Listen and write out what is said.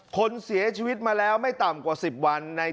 คนเสียชีวิตมาแล้วไม่ต่ำกว่า๑๐วัน